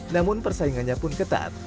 namun persaingannya pun ketat